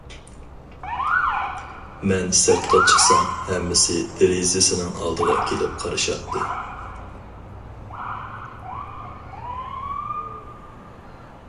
مەن سىرتقا چىقسام ھەممىسى دېرىزىسىنىڭ ئالدىغا كېلىپ قارىشاتتى.